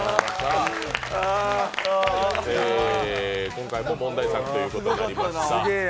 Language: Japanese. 今回も問題作ということになりました。